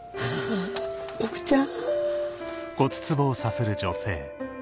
僕ちゃん。